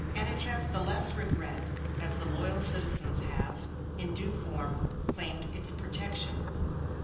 And it has the less regret, as the loyal citizens have, in due form, claimed its protection.